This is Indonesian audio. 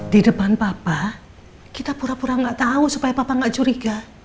di depan papa kita pura pura nggak tahu supaya papa gak curiga